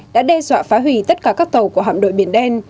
đã đe dọa phá hủy tất cả các tàu của hạm đội biển đen